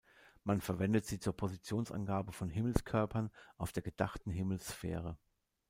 Man verwendet sie zur Positionsangabe von Himmelskörpern auf der gedachten Himmelssphäre.